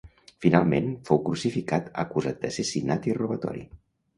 Finalment fou crucificat acusat d'assassinat i robatori.